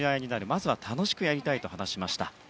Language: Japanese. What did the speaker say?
まずは楽しくやりたいと話しました。